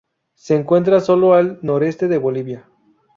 Se encuentra solo al noreste de Bolivia.